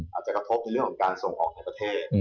อาจจะกระทบในเรื่องของการส่งออกในประเทศ